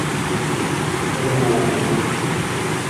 Enugwu-Ukwu